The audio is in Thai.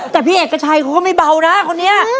แต่พี่เอกชัยเขาก็ไม่เบานะคนนี้